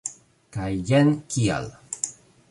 Kaj jen kial!